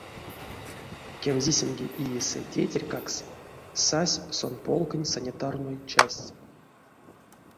Кемзисемге иесэ тейтерькакс сась сон полконь санитарной частьс.